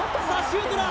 シュートだ